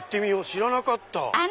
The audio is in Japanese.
知らなかった。